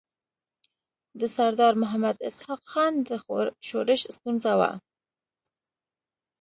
د سردار محمد اسحق خان د ښورښ ستونزه وه.